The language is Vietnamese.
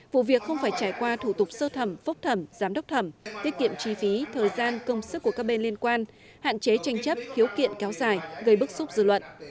vụ việc không phải trải qua thủ tục sơ thẩm phúc thẩm giám đốc thẩm tiết kiệm chi phí thời gian công sức của các bên liên quan hạn chế tranh chấp khiếu kiện kéo dài gây bức xúc dư luận